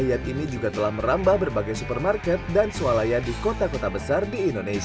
itu berapa ini berapa banyak yang dipanen